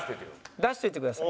出しておいてください。